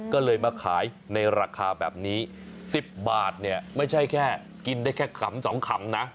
ก็เลยมาขายในราคาแบบนี้๑๐บาทเนี่ยไม่ใช่แค่กินได้แค่ขำ๒ขำนะ